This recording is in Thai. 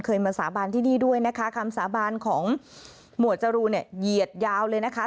มาสาบานที่นี่ด้วยนะคะคำสาบานของหมวดจรูนเนี่ยเหยียดยาวเลยนะคะ